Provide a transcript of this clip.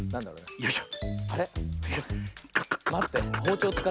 よいしょ。